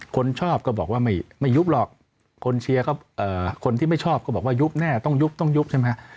คนชอบก็บอกว่าไม่ยุบหรอกคนเชียร์คนที่ไม่ชอบก็บอกว่ายุบแน่ต้องยุบต้องยุบใช่ไหม